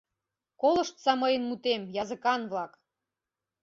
Колыштса мыйын мутем, языкан-влак!